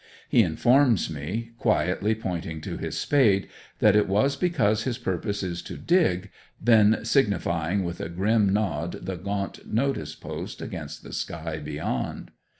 He informs me, quietly pointing to his spade, that it was because his purpose is to dig, then signifying with a grim nod the gaunt notice post against the sky beyond.